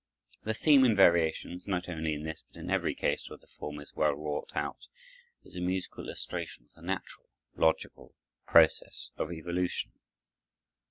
The theme and variations, not only in this, but in every case where the form is well wrought out, is a musical illustration of the natural, logical process of evolution.